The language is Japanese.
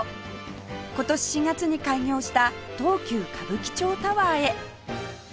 今年４月に開業した東急歌舞伎町タワーへ